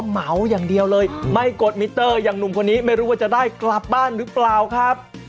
มิตเตอร์หรือเปล่า